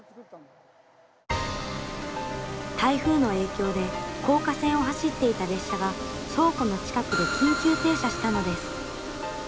台風の影響で高架線を走っていた列車が倉庫の近くで緊急停車したのです。